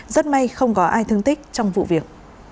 rất may không có ai thương tích trong vụ việc